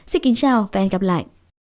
xin kính chào và hẹn gặp lại